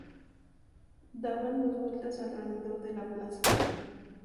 Daban dos vueltas alrededor de la plaza.